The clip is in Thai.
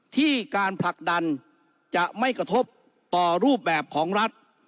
ที่การผลักดันจะไม่กระทบต่อรูปแบบของรัฐ